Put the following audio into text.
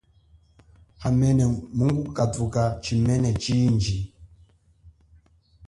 Hamene mungukathuka chimene chindji.